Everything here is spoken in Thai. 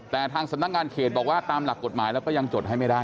แต่ทางสำนักงานเขตบอกว่าตามหลักกฎหมายแล้วก็ยังจดให้ไม่ได้